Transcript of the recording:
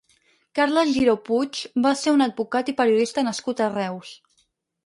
Carles Giró Puig va ser un advocat i periodista nascut a Reus.